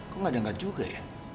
kok gak diangkat juga ya